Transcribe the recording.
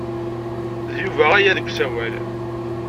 D Yuba aya deg usawal.